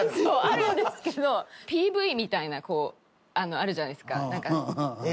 そうあるんですけどＰＶみたいなあるじゃないですかなんか。